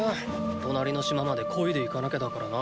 隣の島まで漕いで行かなきゃだからな。